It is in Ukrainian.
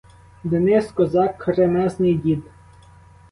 Денис, козак, кремезний дід.